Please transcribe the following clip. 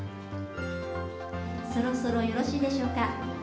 そろそろよろしいでしょうか？